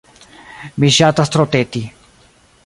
Mi ŝatas troteti.